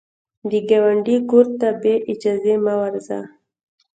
د ګاونډي کور ته بې اجازې مه ورځه